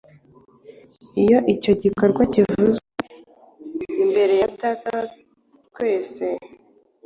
Iyo icyo gikorwa kivuzwe imbere ya Data wa twese,